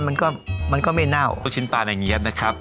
มันก็มันก็ไม่เน่าลูกชิ้นปลาในเงี๊ยบนะครับ